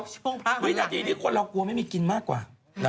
วินาทีที่คนเรากลัวไม่มีกินมากกว่า